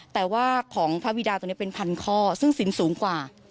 แต่ว่าของพระบิดาตัวนี้เป็นพันข้อซึ่งสินสูงกว่า